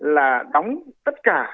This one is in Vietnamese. là đóng tất cả